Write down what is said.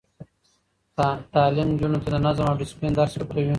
تعلیم نجونو ته د نظم او دسپلین درس ورکوي.